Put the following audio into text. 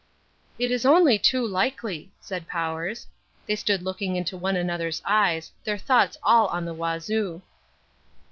"It is only too likely," said Powers. They stood looking into one another's eyes, their thoughts all on the Wazoo.